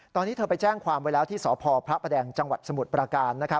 ตอนนี้เธอไปแจ้งความไว้แล้วที่สพพระประแดงจังหวัดสมุทรประการ